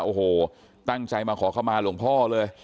โอ้โหตั้งใจมาขอเข้ามาหลวงพ่อเลย